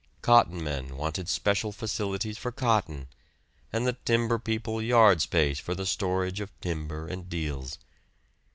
Cotton men wanted special facilities for cotton, and the timber people yard space for the storage of timber and deals.